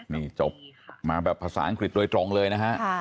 นี่จบมาแบบภาษาอังกฤษโดยตรงเลยนะฮะ